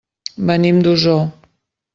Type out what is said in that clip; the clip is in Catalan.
Venim d'Osor.